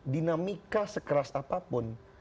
dinamika sekeras apapun